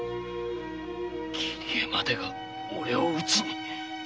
桐江までが俺を討ちに。